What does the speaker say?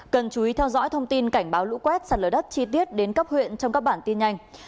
cần chú ý theo dõi thông tin cảnh báo lũ quét sạt lở đất chi tiết đến cấp huyện trong các bản tin nhanh